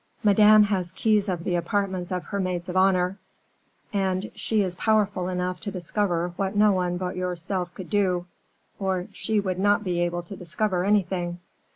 "Madame has keys of the apartments of her maids of honor, and she is powerful enough to discover what no one but yourself could do, or she would not be able to discover anything."